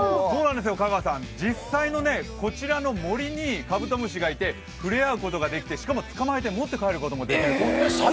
香川さん、実際のこちらの森にカブトムシがいて、触れ合うことができて、しかもつかまえて持って帰ることができるんです。